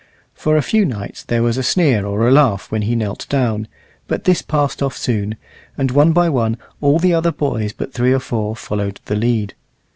For a few nights there was a sneer or a laugh when he knelt down, but this passed off soon, and one by one all the other boys but three or four followed the lead.